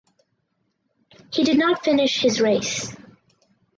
He did not finish his race.